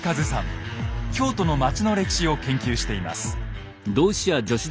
京都の街の歴史を研究しています。